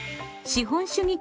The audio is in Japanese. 資本主義